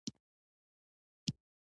په روښانه لمرینه ورځ چکر خوند کوي.